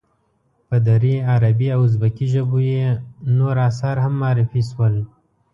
په دري، عربي او ازبکي ژبو یې نور آثار هم معرفی شول.